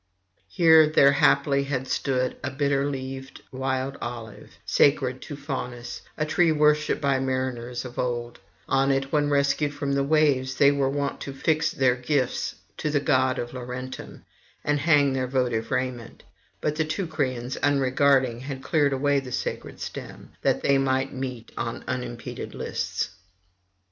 Here there haply had stood a bitter leaved wild olive, sacred to Faunus, a tree worshipped by mariners of old; on it, when rescued from the waves, they were wont to fix their gifts to the god of Laurentum and hang their votive raiment; but the Teucrians, unregarding, had cleared away the sacred stem, that they might meet on unimpeded lists.